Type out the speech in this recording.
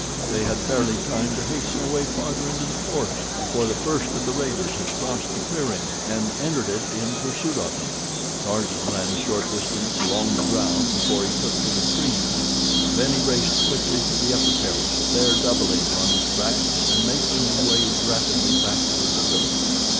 They had barely time to hasten away farther into the forest before the first of the raiders had crossed the clearing and entered it in pursuit of them. Tarzan ran a short distance along the ground before he took to the trees. Then he raced quickly to the upper terrace, there doubling on his tracks and making his way rapidly back toward the village.